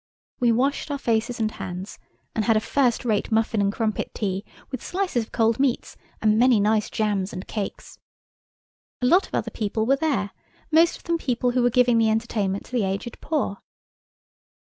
We washed our faces and hands and had a first rate muffin and crumpet tea, with slices of cold meats, and many nice jams and cakes. A lot of other people were there, most of them people who were giving the entertainment to the aged poor.